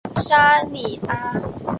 沙尼阿。